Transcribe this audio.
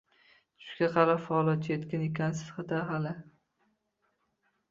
-Tushga qarab fol ochayotgan ekansiz-da hali.